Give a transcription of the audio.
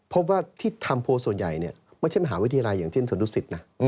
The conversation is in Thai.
พบว่าที่ทำโพลส่วนใหญ่เนี่ยไม่ใช่มหาวิทยาลัยอย่างเช่นสวนดุสิตนะ